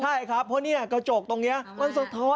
ใช่ครับเพราะเนี่ยกระจกตรงนี้มันสะท้อน